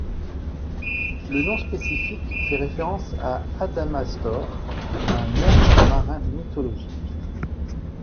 Le nom spécifique fait référence à Adamastor, un monstre marin mythologique.